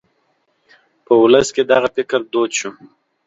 په ولس کې دغه فکر دود شو.